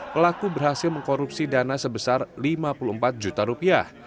pelaku berhasil mengkorupsi dana sebesar lima puluh empat juta rupiah